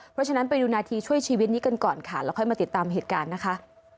เพราะฉะนั้นไปดูนาทีช่วยชีวิตนี้กันก่อนค่ะแล้วค่อยมาติดตามเหตุการณ์นะคะ